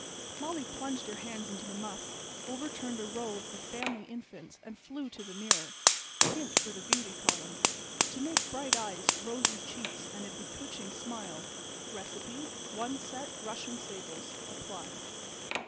Molly plunged her hands into the muff, overturned a row of the family infants and flew to the mirror. Hint for the beauty column. To make bright eyes, rosy cheeks and a bewitching smile: Recipe—one set Russian sables. Apply.